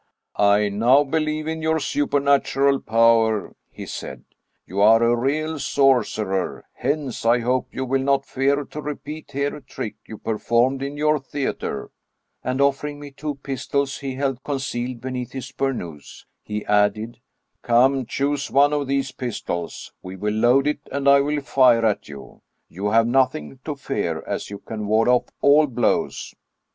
"I now believe in your supernatural power," he said; *'you are a real sorcerer; hence, I hope you will not fear to repeat here a trick you performed in your theater "; and oflFering me two pistols he held concealed beneath his bur nous, he added, " Come, choose one of these pistols ; we will load it, and I will fire at you. You have nothing to fear, as you can ward oflF all blows."